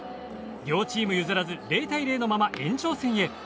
両チーム譲らず０対０のまま延長戦へ。